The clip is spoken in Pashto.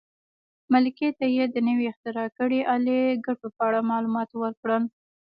ملکې ته یې د نوې اختراع کړې الې ګټو په اړه معلومات ورکړل.